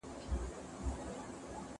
له بدو خوند اخلم اوس، ښه مې په زړه بد لگيږي